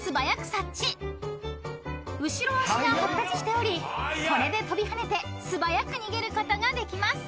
［後ろ足が発達しておりこれで跳びはねて素早く逃げることができます］